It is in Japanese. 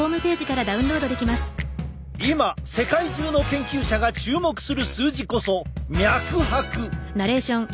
今世界中の研究者が注目する数字こそ脈拍。